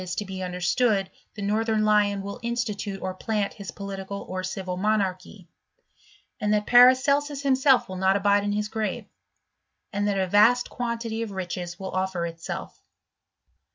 is to be understood the northern lion will institute or plant his political or civil inoQarchy ; and that Paracelsus himself will not abide in his grave; and that a vast ijnantity of riches will offer itself.